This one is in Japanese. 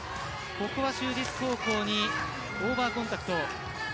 ここは就実高校にオーバーコンタクト。